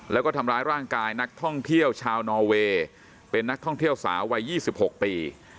แล้วก็ทำร้ายร่างกายนักท่องเที่ยวชาวนอเวย์เป็นนักท่องเที่ยวสาววัย๒๖ปี